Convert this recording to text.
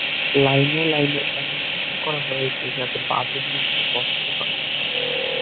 লাইনে লাইনে এমন চেষ্টা করা হয়েছে, যাতে বাজেট বুঝতে কষ্ট হয়।